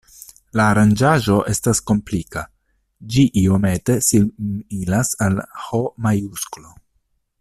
La aranĝaĵo estas komplika, ĝi iomete similas al H-majusklo.